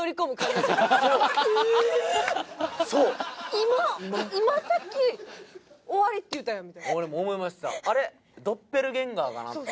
今今さっき終わりって言うたやんみたいな俺も思いましたあれ？